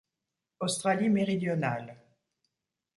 Australie Méridionale.